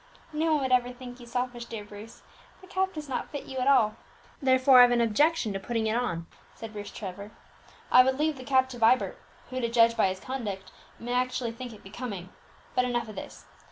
"No one would ever think you selfish, dear Bruce; the cap does not fit you at all." "Therefore I have an objection to putting it on," said Bruce Trevor; "I would leave the cap to Vibert, who, to judge by his conduct, may actually think it becoming. But enough of this.